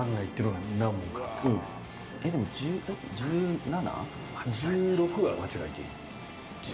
えでも１７？